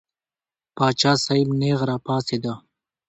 پاچا صاحب نېغ را پاڅېد.